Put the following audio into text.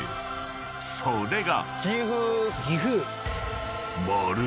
［それが］